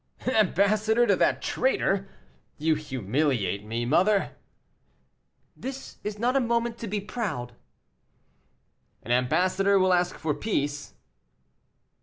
"An ambassador to that traitor! You humiliate me, mother." "This is not a moment to be proud." "An ambassador will ask for peace?"